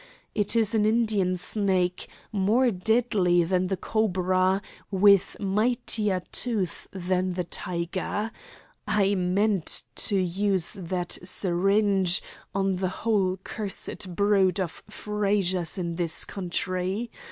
It is an Indian snake, more deadly than the cobra, with mightier tooth than the tiger. I meant to use that syringe on the whole cursed brood of Frazers in this country.